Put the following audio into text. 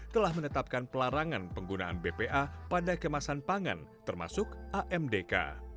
telah menetapkan pelarangan penggunaan bpa pada kemasan pangan termasuk amdk